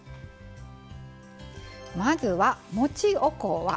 まずはもちおこわ。